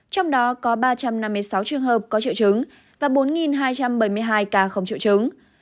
trong đó có ba trăm năm mươi sáu trường hợp có triệu chứng và bốn hai trăm bảy mươi hai ca không triệu chứng